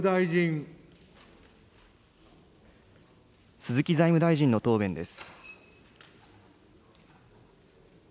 鈴木財務大臣の答弁です。